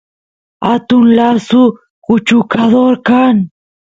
atun lasu kuchukador kan